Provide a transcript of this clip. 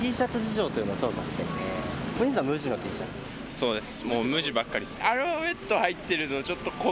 そうです。